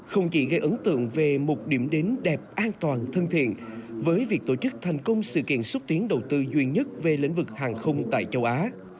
không chỉ gây ấn tượng về một điểm đến đẹp an toàn thân thiện với việc tổ chức thành công sự kiện xúc tiến đầu tư duy nhất về lĩnh vực hàng không tại châu á